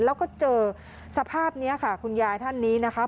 แล้วก็เจอสภาพนี้ค่ะคุณยายท่านนี้นะคะ